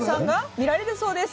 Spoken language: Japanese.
見られるそうです。